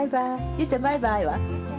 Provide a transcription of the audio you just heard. ゆうちゃんバイバイは？